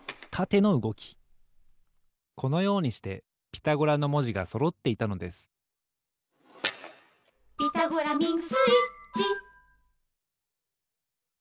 このようにしてピタゴラのもじがそろっていたのです「ピタゴラミングスイッチ」